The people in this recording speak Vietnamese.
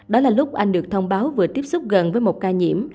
đó là lúc anh được thông báo vừa tiếp xúc gần với một ca nhiễm